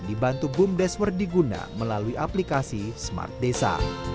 dibantu bumdeswer diguna melalui aplikasi smart desa